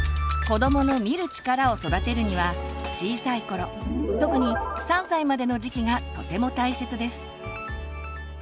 子どもの「見る力」を育てるには小さい頃特に３歳までの時期がとても大切です。